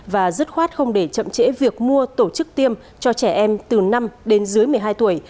và dứt khoát không để chậm trễ việc mua tổ chức tiêm cho trẻ em từ năm đến dưới một mươi hai tuổi